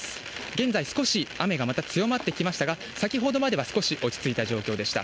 現在、少し雨がまた強まってきましたが、先ほどまで少し落ち着いた状況でした。